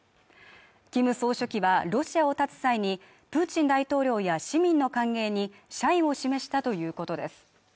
キム総書記はロシアを立つ際にプーチン大統領や市民の歓迎に謝意を示したということです